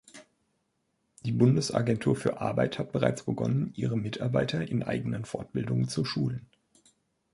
Die Bundesagentur für Arbeit hat bereits begonnen, ihre Mitarbeiter in eigenen Fortbildungen zu schulen.